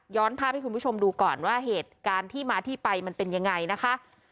ภาพให้คุณผู้ชมดูก่อนว่าเหตุการณ์ที่มาที่ไปมันเป็นยังไงนะคะ